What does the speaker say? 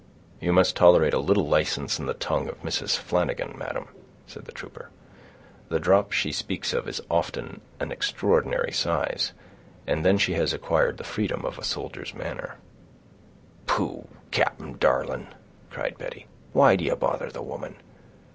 "You must tolerate a little license in the tongue of Mrs. Flanagan, madam," said the trooper. "The drop she speaks of is often of an extraordinary size, and then she has acquired the freedom of a soldier's manner." "Pooh! captain, darling," cried Betty, "why do you bother the woman?